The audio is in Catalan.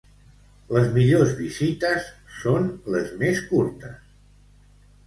Les millors visites són les més curtes.